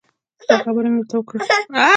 ستا خبره مې ورته وکړه.